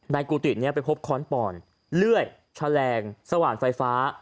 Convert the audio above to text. กุฏินี้ไปพบค้อนปอนเลื่อยแฉลงสว่านไฟฟ้า